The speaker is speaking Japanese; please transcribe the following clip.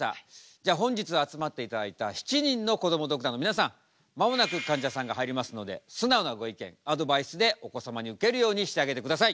じゃあ本日集まっていただいた７人のこどもドクターの皆さん間もなくかんじゃさんが入りますので素直なご意見アドバイスでお子様にウケるようにしてあげてください。